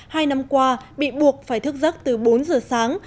hai năm qua bị buộc phải thức giấc từ bốn giờ sáng